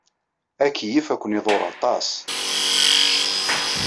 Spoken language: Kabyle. Akeyyef ad ken-iḍurr aṭas.